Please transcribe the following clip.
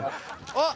あっ！